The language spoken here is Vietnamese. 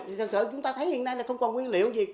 thì thật sự chúng ta thấy hiện nay là không còn nguyên liệu gì